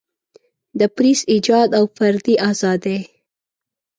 د پریس ایجاد او فردي ازادۍ.